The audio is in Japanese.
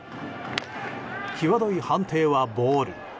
際どい判定はボール。